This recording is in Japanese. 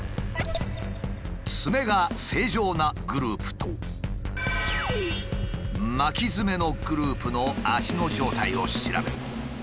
ツメが正常なグループと巻きヅメのグループの足の状態を調べる。